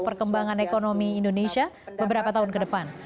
perkembangan ekonomi indonesia beberapa tahun ke depan